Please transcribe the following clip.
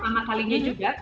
pertama kalinya juga